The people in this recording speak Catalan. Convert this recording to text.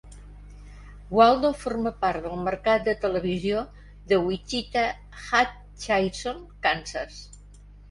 Waldo forma part del mercat de televisió de Wichita-Hutchinson, Kansas.